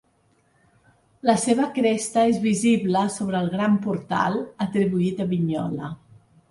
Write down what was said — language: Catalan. La seva cresta és visible sobre el gran portal, atribuït a Vignola.